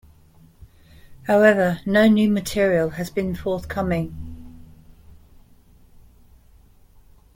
However no new material has been forthcoming.